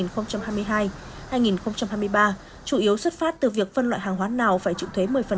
trong năm hai nghìn hai mươi hai hai nghìn hai mươi ba chủ yếu xuất phát từ việc phân loại hàng hóa nào phải trụ thuế một mươi